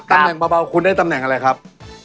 แบ่งเบาคุณได้ตำแหน่งอะไรครับ